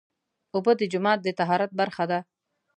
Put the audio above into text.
اوبه د جومات د طهارت برخه ده.